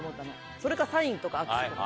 それかサインとか握手とか。